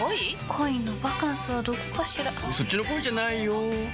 恋のバカンスはどこかしらそっちの恋じゃないよ